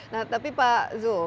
nah tapi pak zul